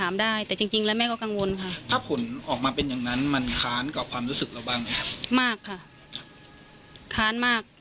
มากค่ะค้านมาก